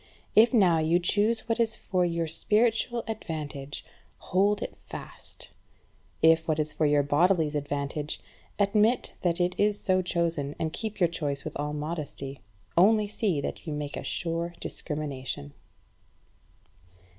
If now you choose what is for your spiritual advantage, hold it fast; if what is for your bodily advantage, admit that it is so chosen, and keep your choice with all modesty. Only see that you make a sure discrimination.